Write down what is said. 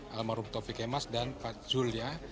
almarhum tovi kemas dan pak jul ya